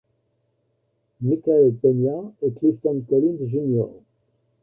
Michael Peña et Clifton Collins Jr.